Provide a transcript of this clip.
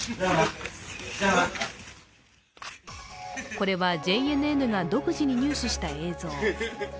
これはＪＮＮが独自に入手した映像。